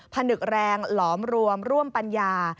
ผนึกแรงหลอมรวมร่วมปัญญา